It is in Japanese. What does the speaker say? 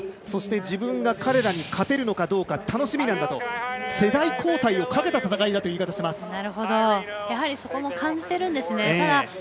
そして、自分が彼らに勝てるのかどうか楽しみなんだと世代交代をかけた戦いだという言い方します。